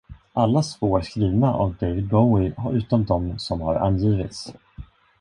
Alla spår skrivna av David Bowie utom de som har angivits.